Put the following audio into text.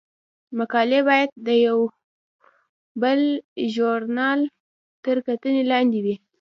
مقالې باید د بل ژورنال تر کتنې لاندې نه وي.